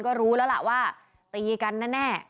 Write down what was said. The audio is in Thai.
ก็รู้แล้วล่ะว่าตีกันแน่